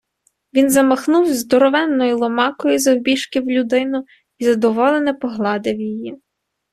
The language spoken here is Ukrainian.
Він замахнувсь здоровенною ломакою, завбільшки в людину, й задоволене погладив її.